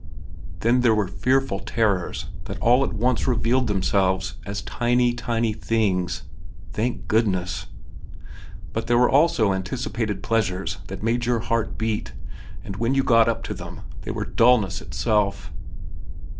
Then there were fearful terrors that all at once revealed themselves as tiny, tiny things—thank goodness! But there were also anticipated pleasures that made your heart beat, and when you got up to them they were dullness itself.